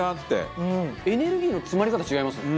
中丸：エネルギーの詰まり方違いますもんね。